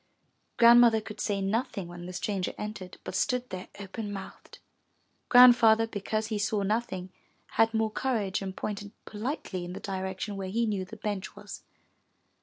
Grandmother could say nothing when the stranger entered, but stood there open mouthed. Grandfather, because he saw nothing, had more courage and pointed politely in the direction where he knew the bench was.